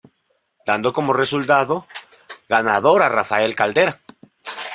Dando como resultado ganador a Rafael Caldera.